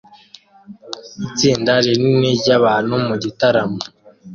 Itsinda rinini ryabantu mu gitaramo